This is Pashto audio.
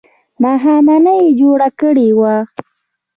ماښامنۍ یې جوړه کړې وه.